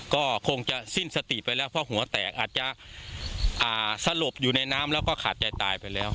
ก็คงจะสิ้นสติไปแล้วเพราะหัวแตกอาจจะสลบอยู่ในน้ำแล้วก็ขาดใจตายไปแล้ว